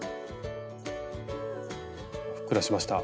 ふっくらしました。